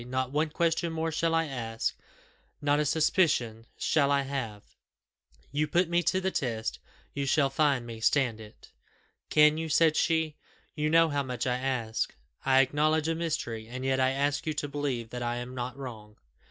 Not one question more shall I ask not a suspicion shall I have: you put me to the test, you shall find me stand it." "Can you?" said she; "you know how much I ask. I acknowledge a mystery, and yet I ask you to believe that I am not wrong."